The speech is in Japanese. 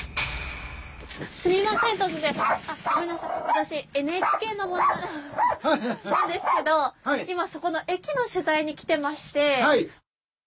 私ＮＨＫの者なんですけど今そこの駅の取材に来てまして。